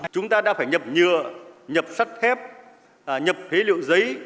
chúng ta đã phải nhập nhựa nhập sắt thép nhập thế liệu giấy